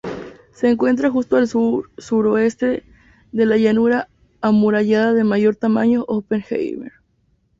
Se encuentra justo al sur-suroeste de la llanura amurallada de mayor tamaño Oppenheimer.